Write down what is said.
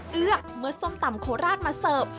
เมื่อส้มตำโคราตมาเซิร์ฟ